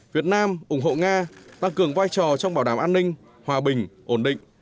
việt nam ủng hộ nga tăng cường vai trò trong bảo đảm an ninh hòa bình ổn định